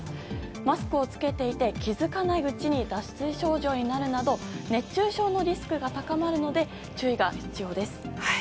マスクを着けていて気づかないうちに脱水症状になるなど熱中症のリスクが高まるので注意が必要です。